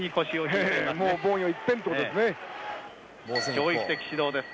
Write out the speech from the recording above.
教育的指導です。